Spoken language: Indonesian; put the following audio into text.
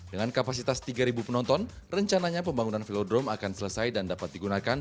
dengan kapasitas tiga penonton rencananya pembangunan velodrome akan selesai dan dapat digunakan